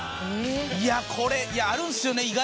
いやこれあるんですよね意外と。